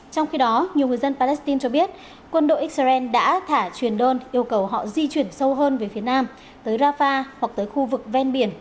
trong khi đó nhiều người dân palestine cho biết quân đội xrn đã thả truyền đơn yêu cầu họ di chuyển sâu hơn về phía nam tới rafah hoặc tới khu vực ven biển ở phía tây nam của gaza